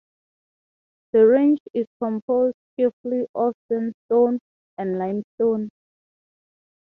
The range is composed chiefly of sandstone and limestone.